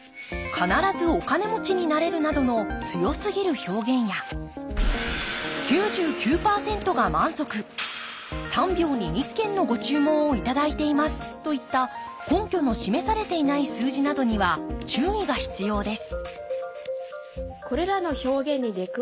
「必ずお金持ちになれる」などの強すぎる表現や「９９％が満足」「３秒に１件のご注文を頂いています」といった根拠の示されていない数字などには注意が必要です